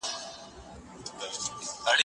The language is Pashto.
زه بايد کښېناستل وکړم!؟